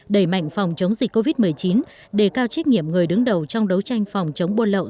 đẩy mạnh phòng chống dịch covid một mươi chín đề cao trách nhiệm người đứng đầu trong đấu tranh phòng chống buôn lậu